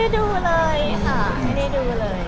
ไม่ได้ดูเลยค่ะไม่ได้ดูเลย